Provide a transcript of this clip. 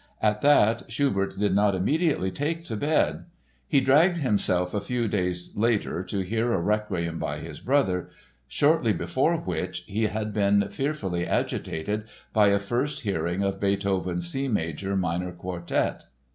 At that Schubert did not immediately take to bed. He dragged himself a few days later to hear a Requiem by his brother, shortly before which he had been fearfully agitated by a first hearing of Beethoven's C sharp minor Quartet.